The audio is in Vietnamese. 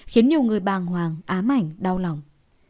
khiến nhiều người bàng hoàng ám ảnh đau lòng